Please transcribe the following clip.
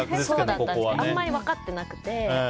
そうだったんですけどあんまり分かってなくて。